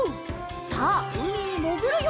さあうみにもぐるよ！